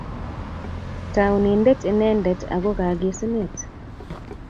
Taunindet inendet ago kagesunet